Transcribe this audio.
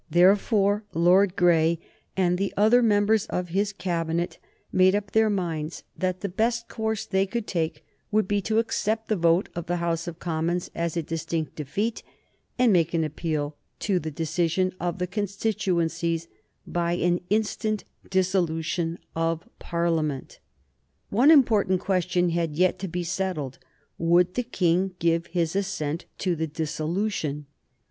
Therefore Lord Grey and the other members of his Cabinet made up their minds that the best course they could take would be to accept the vote of the House of Commons as a distinct defeat, and to make an appeal to the decision of the constituencies by an instant dissolution of Parliament. One important question had yet to be settled. Would the King give his assent to the dissolution?